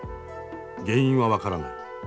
原因は分からない。